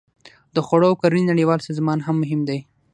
د خوړو او کرنې نړیوال سازمان هم مهم دی